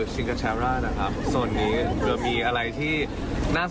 สวัสดีครับ